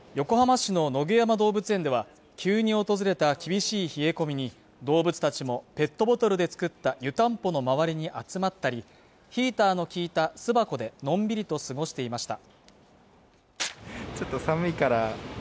横浜市の野毛山動物園では急に訪れた厳しい冷え込みに動物たちもペットボトルで作った湯たんぽの周りに集まったりヒーターの効いた巣箱でのんびりと過ごしていました